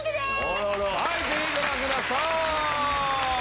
ぜひご覧ください。